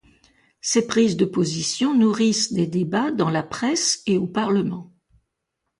Ses prises de position nourrissent des débats dans la presse et au Parlement.